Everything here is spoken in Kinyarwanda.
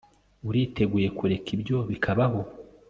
Uriteguye kureka ibyo bikabaho